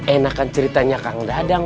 enak kan ceritanya kang dadang